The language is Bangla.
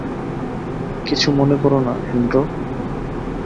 কিছু মনে করো না, অ্যান্ড্রু।